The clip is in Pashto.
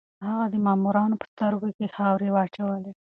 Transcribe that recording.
هغه د مامورانو په سترګو کې خاورې واچولې.